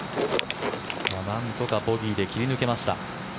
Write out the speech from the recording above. なんとかボギーで切り抜けました。